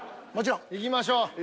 もちろん。いきましょう。